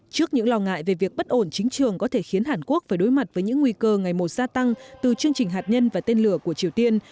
trước những lo ngại về việc bất ổn chính trường có thể khiến hàn quốc phải đối mặt với những nguy cơ ngày một gia tăng từ chương trình hạt nhân và tên lửa của triều tiên